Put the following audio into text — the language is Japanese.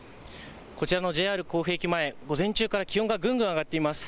こちらのＪＲ甲府駅前、午前中から気温がぐんぐん上がっています。